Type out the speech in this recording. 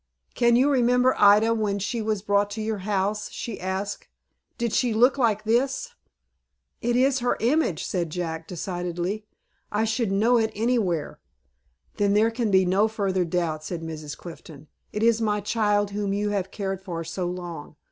"Can you remember Ida when she was brought to your house?" she asked. "Did she look like this?" "It is her image," said Jack, decidedly. "I should know it anywhere." "Then there can be no further doubt," said Mrs. Clifton. "It is my child whom you have cared for so long.